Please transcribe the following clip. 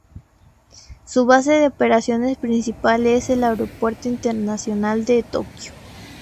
Su base de operaciones principal es el Aeropuerto Internacional de Tokio.